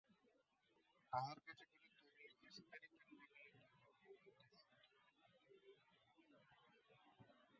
তাহার কাছে কোনো তরুণী স্ত্রীর কিম্বা কোনো দুঃখী কৈবর্তের সুখদুঃখের কতটুকুই বা মূল্য।